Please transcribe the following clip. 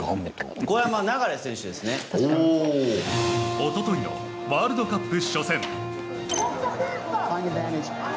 おとといのワールドカップ初戦。